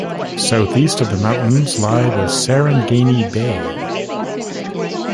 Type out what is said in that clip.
Southeast of the mountains lie the Sarangani Bay.